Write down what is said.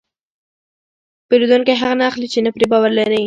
پیرودونکی هغه نه اخلي چې نه پرې باور لري.